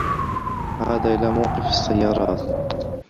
عاد إلى موقف السّيّارات.